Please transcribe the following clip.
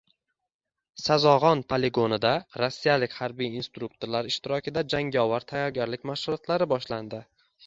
«Sazog‘on» poligonida rossiyalik harbiy instruktorlar ishtirokida jangovar tayyorgarlik mashg‘ulotlari boshlandi